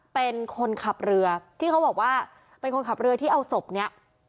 เป็นคนขับเรือที่เขาบอกว่าเป็นคนขับเรือที่เอาศพนี้